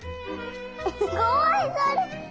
すごいそれ！